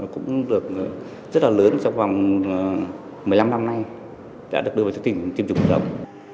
cũng được rất là lớn trong vòng một mươi năm năm nay đã được đưa vào chương trình tiêm chủng mở rộng